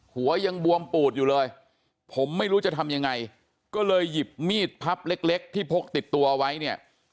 หัวยังบวมปูดอยู่เลยผมไม่รู้จะทำยังไงก็เลยหยิบมีดพับเล็กเล็กที่พกติดตัวไว้เนี่ย